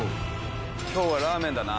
今日はラーメンだな。